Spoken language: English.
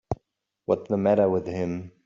What's the matter with him.